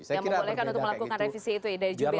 yang membolehkan untuk melakukan revisi itu dari jubir ya